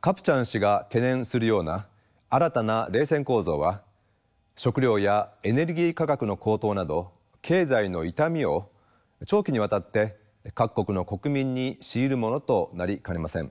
カプチャン氏が懸念するような新たな冷戦構造は食糧やエネルギー価格の高騰など経済の痛みを長期にわたって各国の国民に強いるものとなりかねません。